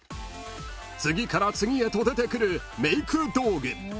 ［次から次へと出てくるメイク道具］